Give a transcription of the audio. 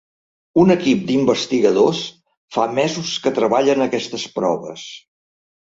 Un equip d’investigadors fa mesos que treballa en aquestes proves.